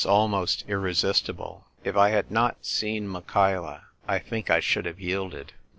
249 almost irresistible. If I had not seen Michaela, I think I should have yielded.